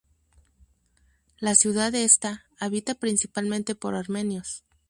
La ciudad está habita principalmente por armenios.